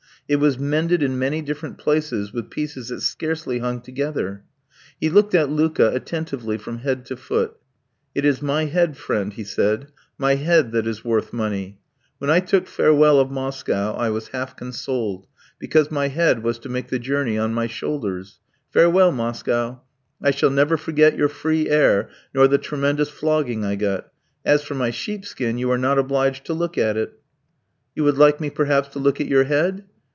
It was mended in many different places with pieces that scarcely hung together. He looked at Luka attentively from head to foot. "It is my head, friend," he said, "my head that is worth money. When I took farewell of Moscow, I was half consoled, because my head was to make the journey on my shoulders. Farewell, Moscow, I shall never forget your free air, nor the tremendous flogging I got. As for my sheepskin, you are not obliged to look at it." "You would like me, perhaps, to look at your head?"